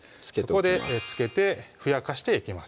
そこでつけてふやかしていきます